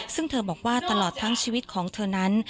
ซึ่งเธอบอกว่าตลอดทั้งชีวิตของเธอนั้น